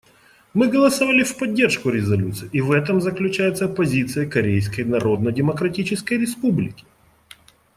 Мы голосовали в поддержку резолюции, и в этом заключается позиция Корейской Народно-Демократической Республики.